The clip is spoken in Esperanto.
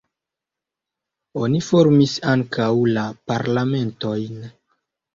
Oni formis ankaŭ la Parlamentojn.